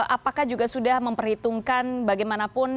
apakah juga sudah memperhitungkan bagaimanapun